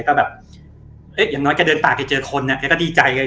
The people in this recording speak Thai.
ต่อก็แบบเอ๊ะอย่างน้อยแกเดินตาก็จะเจอคนอ่ะแกก็ดีใจเลย